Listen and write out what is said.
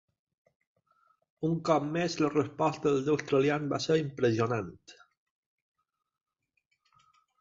Un cop més, la resposta dels australians va ser impressionant.